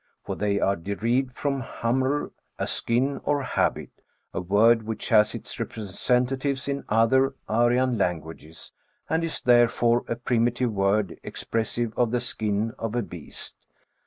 For they are derived from hamr, a skin or habit ; a word which has its representatives in other Aryan languages, and is therefore a primitive word expressive of the skin of a beast.